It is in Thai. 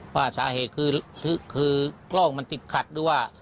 ว่าสาเหตุคือกล้องมันติดขัดหรือว่า